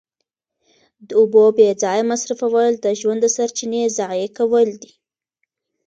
د اوبو بې ځایه مصرفول د ژوند د سرچینې ضایع کول دي.